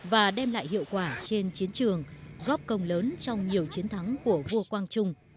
và đem lại hiệu quả trên chiến trường góp công lớn trong nhiều chiến thắng của vua quang trung